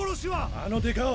あのデカ男